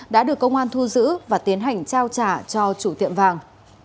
đã được công an thu giữ và tiến hành trao trả cho chủ tiệm vàng